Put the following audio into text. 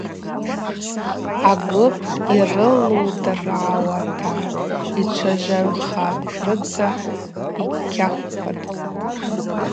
Агвып йрылудыргӏауата йчважвагӏвхатӏ, рыцӏа йкьахвхатӏ.